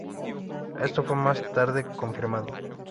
Esto fue más tarde confirmado.